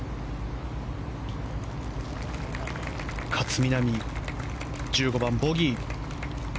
勝みなみ、１５番、ボギー。